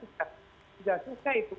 dan sudah susah itu